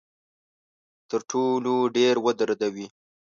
تر ټولو ډیر ودردوي.